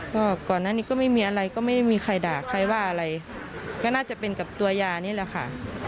ก็ก่อนหน้านี้ก็ไม่มีอะไรก็ไม่มีใครด่าใครว่าอะไรก็น่าจะเป็นกับตัวยานี่แหละค่ะ